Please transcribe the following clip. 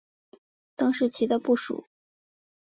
郑士琦的部属。